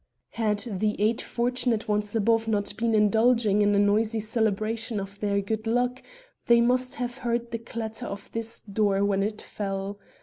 Had the eight fortunate ones above not been indulging in a noisy celebration of their good luck, they must have heard the clatter of this door when it fell.